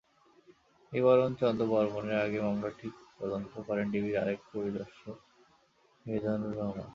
নিবারণ চন্দ্র বর্মণের আগে মামলাটি তদন্ত করেন ডিবির আরেক পরিদর্শক মিজানুর রহমান।